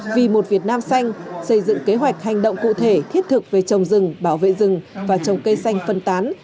vì một việt nam xanh xây dựng kế hoạch hành động cụ thể thiết thực về trồng rừng bảo vệ rừng và trồng cây xanh phân tán